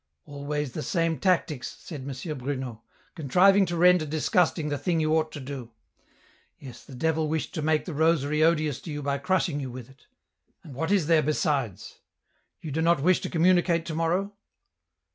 " Always the same tactics," said M. Bruno ;" contriving to render disgusting the thing you ought to do. Yes, the devil wished to make the rosary odious to you by crushing you with it. And what is there besides ? You do not wish to communicate to morrow